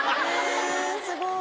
えすごい。